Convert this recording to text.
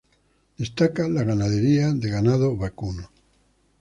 Destaca la ganadería de ganado vacuno.